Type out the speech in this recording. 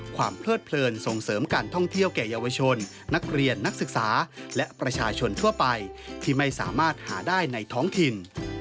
กับประชาชนทั่วไปที่ไม่สามารถหาได้ในท้องถิ่น